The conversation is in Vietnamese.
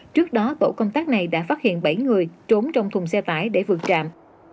trước đó tổ công tác này đã phát hiện bảy người trốn trong thùng xe tải để vượt trạm